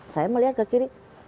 saya melihat ke kiri